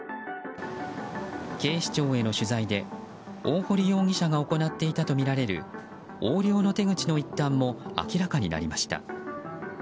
警視庁への取材で、大堀容疑者が行っていたとみられる横領の手口の一端も明らかになりました。